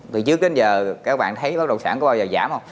từ trước đến giờ các bạn thấy bất động sản có bao giờ giảm không